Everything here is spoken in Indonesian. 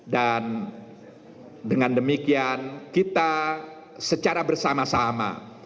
dan dengan demikian kita secara bersama